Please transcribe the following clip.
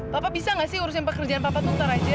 wah papa bisa gak sih urusin pekerjaan papa tuh ntar aja